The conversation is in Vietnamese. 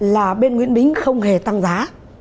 là bên nguyễn bính không hề tăng giá